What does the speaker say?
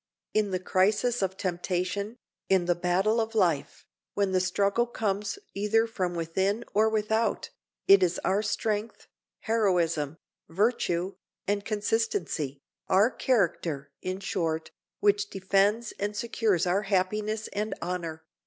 In the crisis of temptation, in the battle of life, when the struggle comes either from within or without, it is our strength, heroism, virtue, and consistency—our character, in short—which defends and secures our happiness and honor.